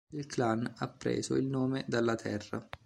Il clan ha preso il nome dalla terra.